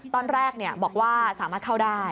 ตอนแรกบอกว่าสามารถเข้าได้